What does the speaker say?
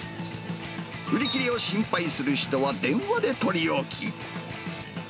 売り切れを心配する人は、電話で取り置き。